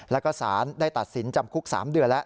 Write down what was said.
แล้วก็สารได้ตัดสินจำคุก๓เดือนแล้ว